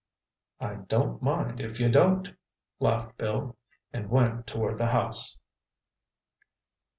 "I don't mind, if you don't!" laughed Bill, and went toward the house.